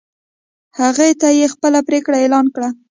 هغوی ته یې خپله پرېکړه اعلان کړه.